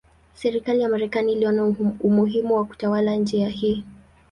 Serikali ya Marekani iliona umuhimu wa kutawala njia hii.